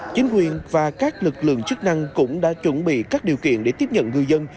chính quyền và các lực lượng chức năng cũng đã chuẩn bị các điều kiện để tiếp nhận ngư dân